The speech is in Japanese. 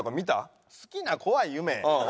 好きな怖い夢？